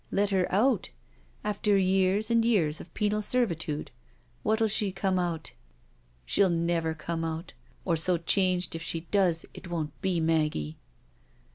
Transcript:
" Let her out? After years and years of penal servi tude! What'U she come out? She'll never come out, or so changed if she does, it won't be Maggie."